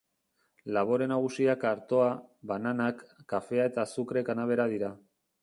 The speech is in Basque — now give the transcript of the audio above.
Labore nagusiak artoa, bananak, kafea eta azukre-kanabera dira.